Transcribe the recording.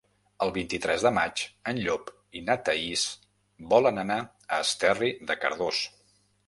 El vint-i-tres de maig en Llop i na Thaís volen anar a Esterri de Cardós.